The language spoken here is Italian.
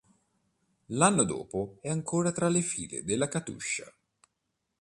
L'anno dopo è ancora tra le file della Katusha.